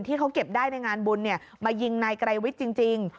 ที่เขาเก็บได้ในงานบุญมายิงนายไกรวิทย์จริง